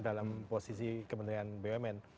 dalam posisi kementerian bumn